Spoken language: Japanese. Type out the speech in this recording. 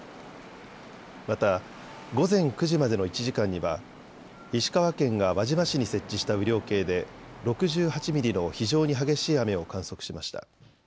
また午前９時までの１時間には石川県が輪島市に設置した雨量計で６８ミリの非常に激しい雨を観測しました。